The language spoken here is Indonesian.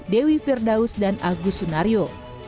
dewi firdaus dan agus sunario